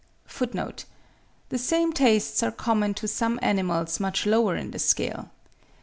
(6. The same tastes are common to some animals much lower in the scale.